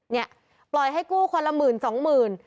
เนี่ยปล่อยให้กู้คนละหมื่นสองหมื่น